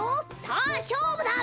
さあしょうぶだ。